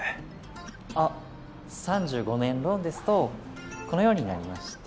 あっ３５年ローンですとこのようになりまして。